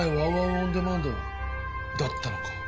オンデマンドだったのか。